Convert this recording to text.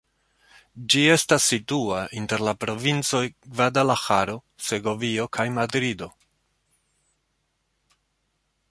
Ĝi estas situa inter la provincoj Gvadalaĥaro, Segovio kaj Madrido.